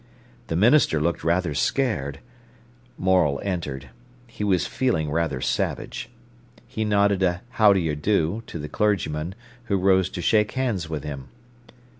The minister looked rather scared. Morel entered. He was feeling rather savage. He nodded a "How d'yer do" to the clergyman, who rose to shake hands with him.